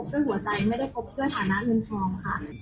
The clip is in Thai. ช่วยหัวใจไม่ได้ครบถ้วยฐานะเงินทองค่ะ